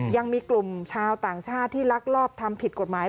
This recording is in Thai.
ยังมีกลุ่มชาวต่างชาติที่ลักลอบทำผิดกฎหมาย